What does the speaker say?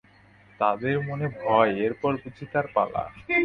তাঁদের মনে ভয়, এরপর বুঝি তাঁর পালা।